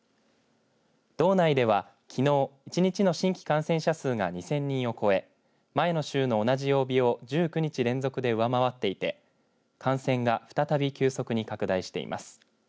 道内ではきのう１日の新規感染者数が２０００人を超え前の週の同じ曜日を１９日連続で上回っていて感染が再び急速に拡大しています。